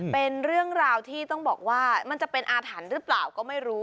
เป็นเรื่องราวที่ต้องบอกว่ามันจะเป็นอาถรรพ์หรือเปล่าก็ไม่รู้